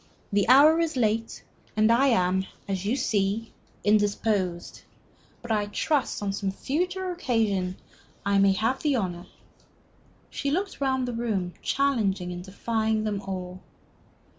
The hour is late, and I am as you see indisposed. But I trust, on some future occasion, I may have the honor " She looked round upon them, challenging and defying them all.